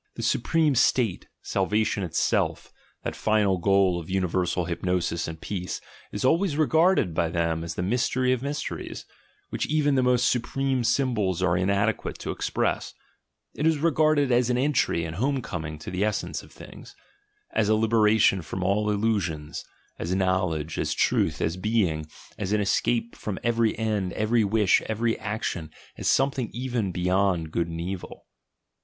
The supreme state, sal vation itself, that final goal of universal hypnosis and peace, is always regarded by them as the mystery of mysteries, which even the most supreme symbols are inadequate to express; it is regarded as an entry and homecoming to the essence of things, as a liberation from all illusions, as "knowledge," as "truth," as "being," as an escape from every end, every wish, every action, as something even beyond Good and Evil.